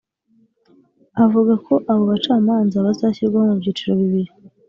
Avuga ko abo bacamanza bazashyirwaho mu byiciro bibiri